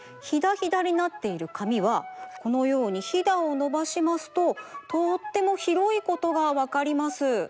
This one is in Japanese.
ヒダヒダになっているかみはこのようにヒダをのばしますととってもひろいことがわかります。